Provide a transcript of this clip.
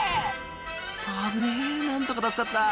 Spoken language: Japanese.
「危ねぇ何とか助かった」